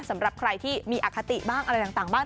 สำหรับใครที่มีอคติบ้างอะไรต่างบ้าง